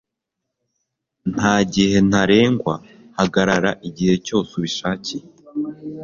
nta gihe ntarengwa, hagarara igihe cyose ubishakiye